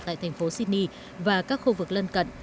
tại thành phố sydney và các khu vực lân cận